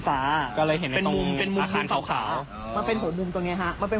บนนี้เลย